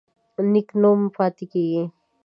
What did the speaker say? نیک نوم پاتې کیږي